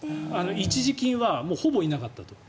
一時金はほぼいなかったと。